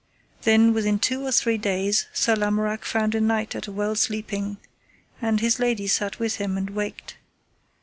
Then within two or three days Sir Lamorak found a knight at a well sleeping, and his lady sat with him and waked.